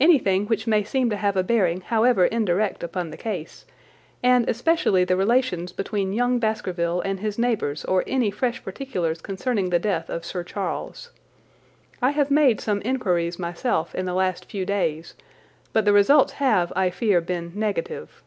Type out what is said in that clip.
"Anything which may seem to have a bearing however indirect upon the case, and especially the relations between young Baskerville and his neighbours or any fresh particulars concerning the death of Sir Charles. I have made some inquiries myself in the last few days, but the results have, I fear, been negative.